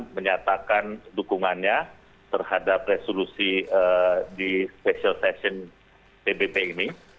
satu ratus dua puluh delapan menyatakan dukungannya terhadap resolusi di special session pbb ini